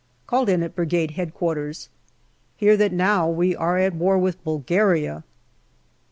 Called in at Brigade H.Q. Hear that now we are at war with Bulgaria.